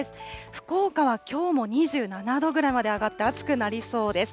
福岡はきょうも２７度ぐらいまで上がって暑くなりそうです。